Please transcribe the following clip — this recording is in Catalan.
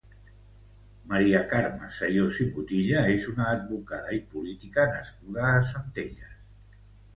Maria Carme Sayós i Motilla és una advocada i política nascuda a Centelles.